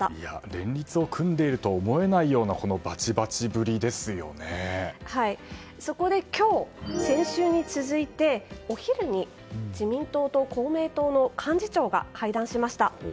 連立を組んでいるとは思えないようなそこで今日、先週に続いてお昼に自民党と公明党の幹事長が会談しました。